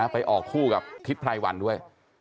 ไปออกคู่กับทิศไพรวันด้วย